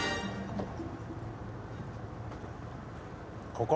ここ。